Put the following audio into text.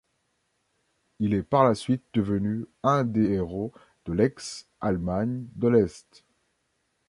Il est par la suite devenu un des héros de l'ex-Allemagne de l'Est.